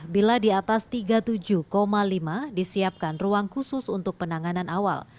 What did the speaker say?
bila di atas tiga puluh tujuh lima disiapkan ruang khusus untuk penanganan awal